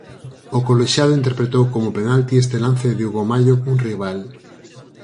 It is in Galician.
O colexiado interpretou como penalti este lance de Hugo Mallo cun rival.